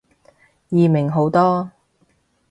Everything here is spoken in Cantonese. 易明好多